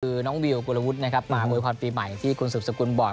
คือน้องวิวกุฎระวุฒินะครับบางระบุควรปีใหม่ที่คุณสุปสกุลบอก